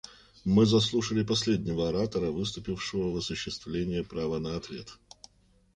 Мы заслушали последнего оратора, выступившего в осуществление права на ответ.